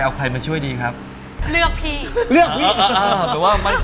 เอาใครมาช่วยการจัดคราวนี้ครับ